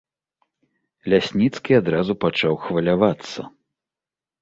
Лясніцкі адразу пачаў хвалявацца.